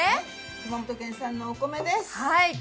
熊本県産のお米です。